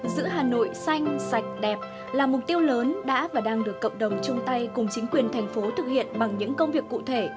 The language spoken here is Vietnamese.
giữ hà nội xanh sạch đẹp là mục tiêu lớn đã và đang được cộng đồng chung tay cùng chính quyền thành phố thực hiện bằng những công việc cụ thể